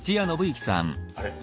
あれ？